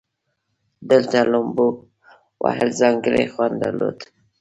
دلته لومبو وهل ځانګړى خوند درلودو.